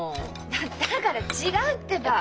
だだから違うってば！